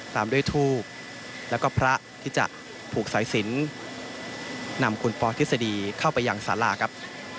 ตามด้วยทูบแล้วก็พระที่จะผูกสายสินนำคุณปอทฤษฎีเข้าไปยังสาราครับ